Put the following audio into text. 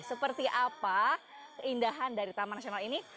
seperti apa keindahan dari taman nasional ini